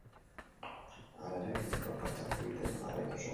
Hala ere, betiko akatsak egiten jarraitu zuen.